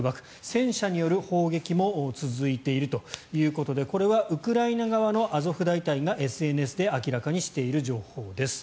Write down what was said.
戦車による砲撃も続いているということでこれはウクライナ側のアゾフ大隊がＳＮＳで明らかにしている情報です。